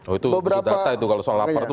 oh itu data itu kalau soal lapar itu